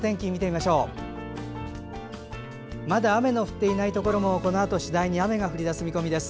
まだ雨の降っていないところもこのあと次第に雨が降り出す見込みです。